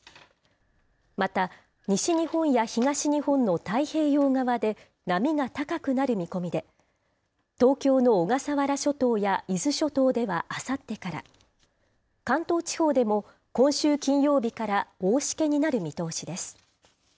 また、西日本や東日本の太平洋側で、波が高くなる見込みで、東京の小笠原諸島や伊豆諸島ではあさってから、関東地方でも今週金曜日から大しけになる見通しです。